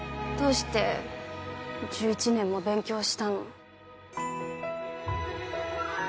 どうして１１年も勉強したの？